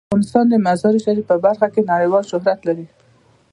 افغانستان د مزارشریف په برخه کې نړیوال شهرت لري.